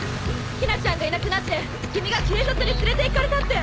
陽菜ちゃんがいなくなって君が警察に連れて行かれたって。